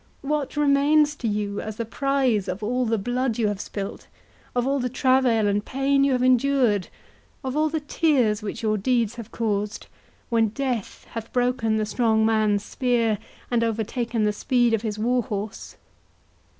—What remains to you as the prize of all the blood you have spilled—of all the travail and pain you have endured—of all the tears which your deeds have caused, when death hath broken the strong man's spear, and overtaken the speed of his war horse?"